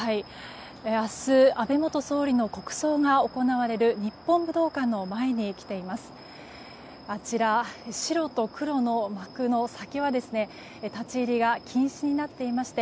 明日、安倍元総理の国葬が行われる日本武道館の前に来ています。